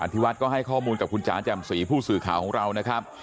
ที่วัดก็ให้ข้อมูลกับคุณจ๋าแจ่มสีผู้สื่อข่าวของเรานะครับ